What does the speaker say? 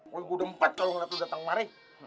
kok gue dempet kalau nggak lo datang kemari